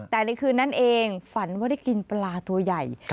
แต่ในคืนนั้นเองฝันว่าได้กินปลาตัวใหญ่